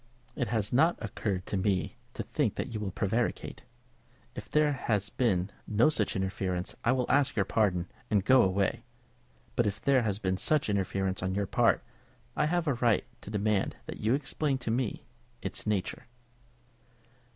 "It has not occurred to me to think that you will prevaricate. If there has been no such interference, I will ask your pardon, and go away; but if there has been such interference on your part, I have a right to demand that you shall explain to me its nature."